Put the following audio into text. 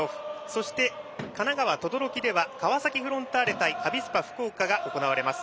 そして神奈川・等々力では川崎フロンターレ対アビスパ福岡が行われます。